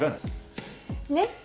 ねっ？